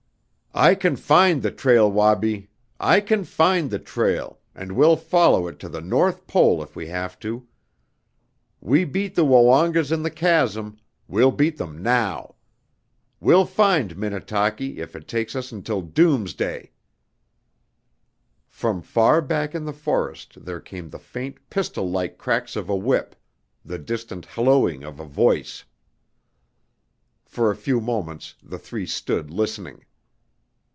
"I can find the trail, Wabi! I can find the trail and we'll follow it to the North Pole if we have to! We beat the Woongas in the chasm we'll beat them now! We'll find Minnetaki if it takes us until doomsday!" From far back in the forest there came the faint pistol like cracks of a whip, the distant hallooing of a voice. For a few moments the three stood listening.